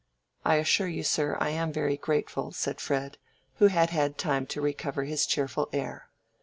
"I assure you, sir, I am very grateful," said Fred, who had had time to recover his cheerful air.